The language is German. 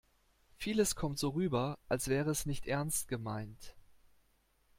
Vieles kommt so rüber, als wäre es nicht ernst gemeint.